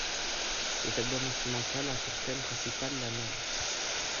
Cet album instrumental a pour thème principal la mer.